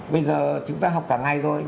bây giờ chúng ta học cả ngày rồi